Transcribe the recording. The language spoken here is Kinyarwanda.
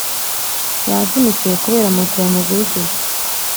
Yavunitse kubera moto yamugushije